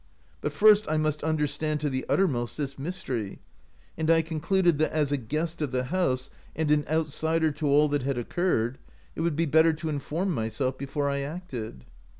But first I must understand to the uttermost this mystery, and I concluded that, as a guest of the house and an outsider to all that had occurred, it would be better to inform myself before I acted.